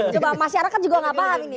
coba masyarakat juga nggak paham ini